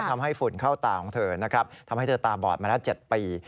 ฝุ่นเข้าตาของเธอนะครับทำให้เธอตาบอดมาแล้ว๗ปี